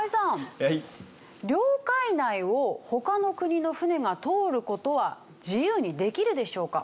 領海内を他の国の船が通る事は自由にできるでしょうか？